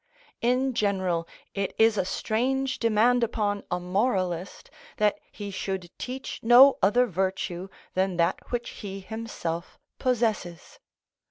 In general, it is a strange demand upon a moralist that he should teach no other virtue than that which he himself possesses.